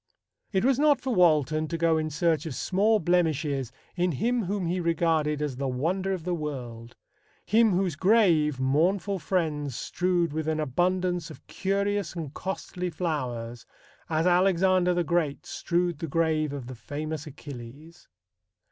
It was not for Walton to go in search of small blemishes in him whom he regarded as the wonder of the world him whose grave, mournful friends "strewed ... with an abundance of curious and costly flowers," as Alexander the Great strewed the grave of "the famous Achilles."